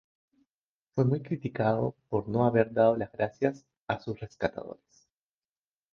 Fue muy criticado por no haber dado las gracias a sus rescatadores.